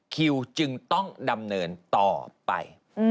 คิวจึงต้องดำเนินต่อไป